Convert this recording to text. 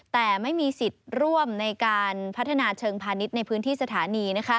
แต่ไม่มีสิทธิ์ร่วมในการพัฒนาเชิงพาณิชย์ในพื้นที่สถานี